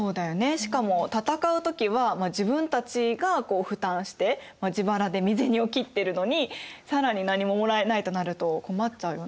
しかも戦う時は自分たちがこう負担して自腹で身銭を切ってるのに更に何ももらえないとなると困っちゃうよね。